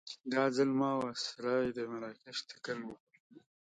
دا ځل ما او اسرې د مراکش تکل وکړ.